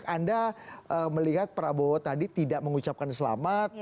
anda melihat prabowo tadi tidak mengucapkan selamat